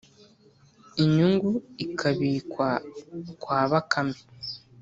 inyungu ikabikwa kwa bakame